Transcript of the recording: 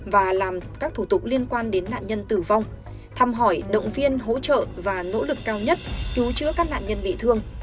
và làm các thủ tục liên quan đến nạn nhân tử vong thăm hỏi động viên hỗ trợ và nỗ lực cao nhất cứu chữa các nạn nhân bị thương